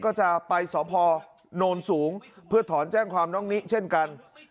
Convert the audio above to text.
ก็จะไปสพโนนสูงเพื่อถอนแจ้งความน้องนิเช่นกัน